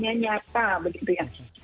nah ini adalah hal yang kita harus lakukan